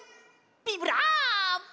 ビブラーボ！